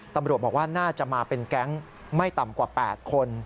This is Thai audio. ตำรวจบอกว่าน่าจะมาเป็นแก๊งไม่ต่ำกว่า๘คน